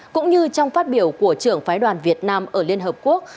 cũng như trong phát biểu của trưởng phái đoàn việt nam ở liên hợp quốc